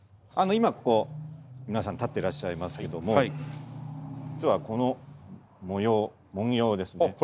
あの今ここ皆さん立ってらっしゃいますけども実はこの模様文様ですね。